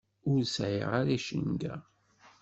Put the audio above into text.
Ur sɛiɣ ara icenga.